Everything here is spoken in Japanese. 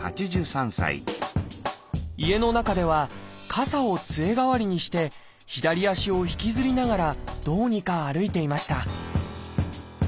家の中では傘をつえ代わりにして左足を引きずりながらどうにか歩いていました